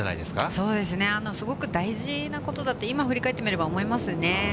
そうですね、すごく大事なことだと、今振り返ってみれば思いますね。